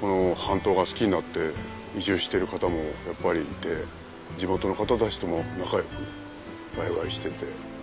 この半島が好きになって移住してる方もやっぱりいて地元の方たちとも仲良くワイワイしてて。